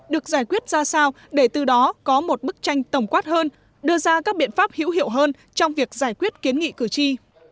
được giải quyết ra sao để từ đó có một bức tranh tổng quát hơn đưa ra các biện pháp hữu hiệu hơn trong việc giải quyết kiến nghị cử tri